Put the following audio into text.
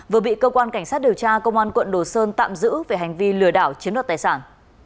vừa bị cơ quan cảnh sát điều tra công an quận đồ sơn tạm giữ về hành vi lừa đảo chiếm đoạt tài sản